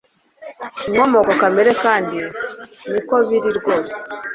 inkomoko kamere kandi niko biri rwose